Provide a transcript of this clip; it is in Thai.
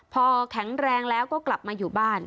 พอแข็งแรงแล้วก็กลับมาอยู่บ้าน